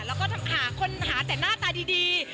แล้วก็หาคนหาแต่หน้าตาดี